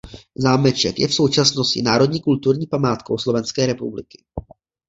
Zámeček je v současnosti národní kulturní památkou Slovenské republiky.